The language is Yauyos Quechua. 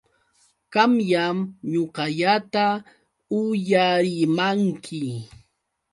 Qamllam ñuqallata uyarimanki.